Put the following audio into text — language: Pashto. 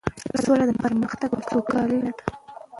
سوله د پرمختګ او سوکالۍ لاره ده.